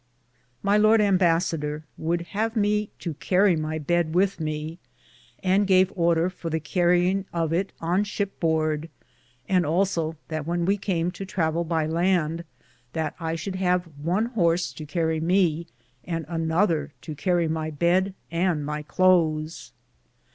My lord Ambassador would have me to carrie may beed with me, and gave order for the carreinge of it on ship borde, and also that when we came to travell by lande that I should have one horse to carrie me, and another to carrie my beed and my Clothes.